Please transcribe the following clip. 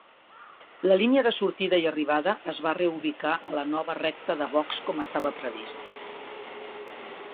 La línia de sortida i arribada es va reubicar a la nova recta de boxs com estava previst.